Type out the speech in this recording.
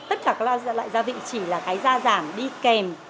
tất cả các loại gia vị chỉ là cái da giảm đi kèm